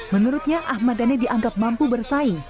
menurutnya ahmad dhani dianggap mampu bersaing